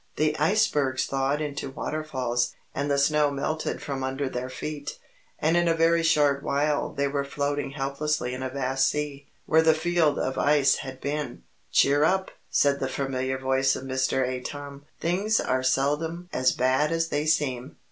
The icebergs thawed into waterfalls, and the snow melted from under their feet, and in a very short while they were floating helplessly in a vast sea, where the field of ice had been. "Cheer up!" said the familiar voice of Mr. Atom. "Things are seldom as bad as they seem.